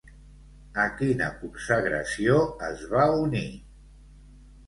A quina consagració es va unir?